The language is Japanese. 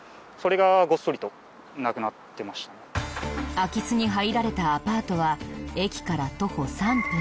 空き巣に入られたアパートは駅から徒歩３分。